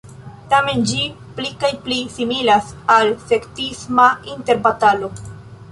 Tamen ĝi pli kaj pli similas al sektisma interbatalo.